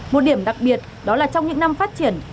một điểm đặc biệt đó là trong những năm phát triển